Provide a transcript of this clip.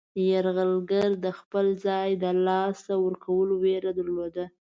یرغلګر د خپل ځای د له لاسه ورکولو ویره درلوده.